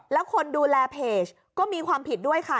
แล้วคนดูแลเพจก็มีความผิดด้วยค่ะ